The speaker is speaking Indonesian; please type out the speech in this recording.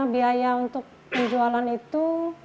biaya untuk penjualan itu